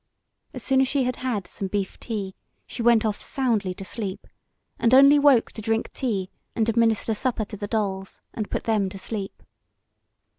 As soon as she had had some beef tea, she went off soundly to sleep, and only woke to drink tea, and administer supper to the dolls, and put them to sleep.